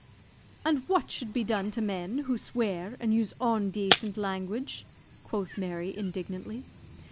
"And what should be done to men who swear and use ondacent language?" quoth Mary, indignantly.